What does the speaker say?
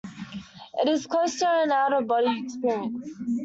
It's close to an out-of-body experience.